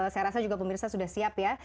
saya rasa juga pemirsa sudah siap ya